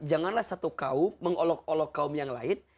janganlah satu kaum mengolok olok kaum yang lain